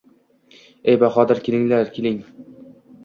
– Ey Bahodir, keling-keling!